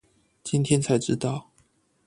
今天才知道